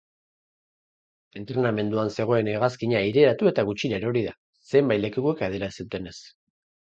Entrenamenduan zegoen hegazkina aireratu eta gutxira erori da, zenbait lekukok adierazi dutenez.